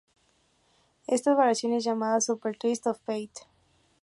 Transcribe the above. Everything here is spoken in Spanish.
Esta variación es llamada Super Twist of Fate.